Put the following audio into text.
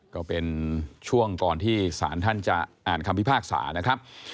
ก็เป็นช่วงก่อนที่ศาลท่านจะอ่านคำพิพากษานะครับ